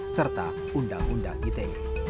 serta undang undang ite